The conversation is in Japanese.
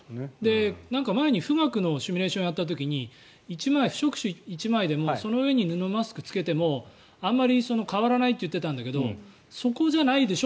前に、富岳のシミュレーションをやった時に不織布１枚でもその上に布マスクを着けてもあまり変わらないといってたんだけどそこじゃないでしょ